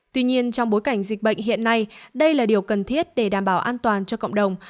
tuy nhiên trong bối cảnh dịch bệnh hiện nay đây là điều cần thiết để đảm bảo an toàn cho cộng đồng